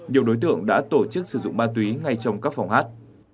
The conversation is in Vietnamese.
nhiều đối tượng đã tổ chức sử dụng ma túy ngay trong các phòng hát